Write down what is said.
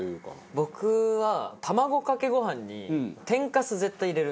僕は卵かけご飯に天かす絶対入れるんです。